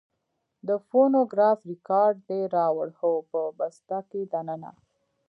د فونوګراف رېکارډ دې راوړ؟ هو، په بسته کې دننه.